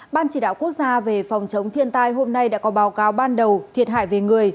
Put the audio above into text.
ban chỉ đạo quốc gia về phòng chống thiên tai hôm nay đã có báo cáo ban đầu thiệt hại về người